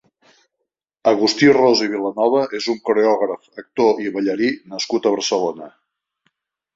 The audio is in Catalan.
Agustí Ros i Vilanova és un coreògraf, actor i ballarí nascut a Barcelona.